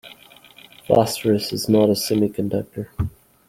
Phosphorus is not a semiconductor.